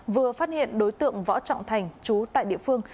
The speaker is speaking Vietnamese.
vừa phát hiện đối tượng võ trọng thành chú tại địa phương